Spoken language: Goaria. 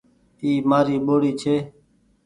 اي مآري ٻوڙي ڇي